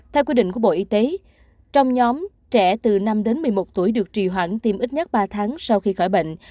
theo quy định của bộ y tế trong nhóm trẻ từ năm đến một mươi một tuổi được trì hoãn tiêm ít nhất ba tháng sau khi khỏi bệnh